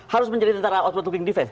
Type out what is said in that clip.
harus menjadi tentara outward looking defense